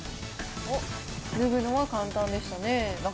脱ぐのは簡単でしたね。